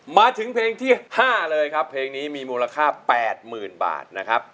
มาถึงเพลงที่๕เลยครับเพลงนี้มีมูลค่า๘๐๐๐บาทนะครับ